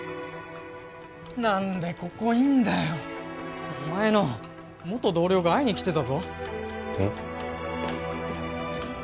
何でここいんだよお前の元同僚が会いに来てたぞえっ？